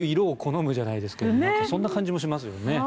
でも英雄、色を好むじゃないですがそんな感じもしますよね。